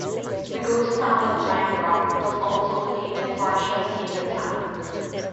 The ghost town of Lime Rock was also located partially in the town.